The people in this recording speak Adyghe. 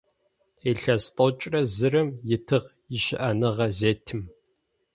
Илъэс тӏокӏрэ зырэм итыгъ ищыӏэныгъэ зетым.